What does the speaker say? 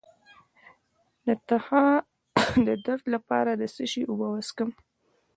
د تخه د درد لپاره د څه شي اوبه وڅښم؟